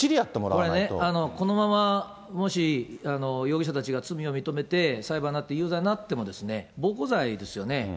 これね、このまま、もし容疑者たちが罪を認めて裁判になって有罪になっても、暴行罪ですよね。